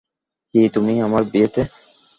কী, তুমি, আমার বিয়েতে?